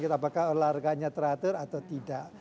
apakah olahraganya teratur atau tidak